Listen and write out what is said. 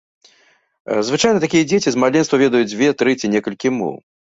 Звычайна такія дзеці з маленства ведаюць дзве, тры ці некалькі моў.